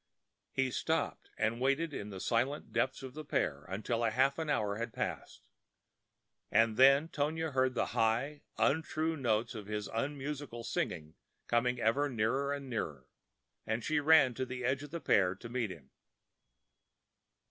He stopped and waited in the silent depths of the pear until half an hour had passed. And then Tonia heard the high, untrue notes of his unmusical singing coming nearer and nearer; and she ran to the edge of the pear to meet him.